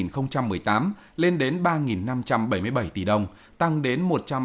trong năm hai nghìn một mươi tám lên đến ba năm trăm bảy mươi bảy tỷ đồng tăng đến một trăm ba mươi ba một mươi tám